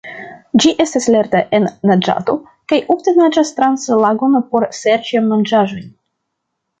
Ĝi estas lerta en naĝado kaj ofte naĝas trans lagon por serĉi manĝaĵojn.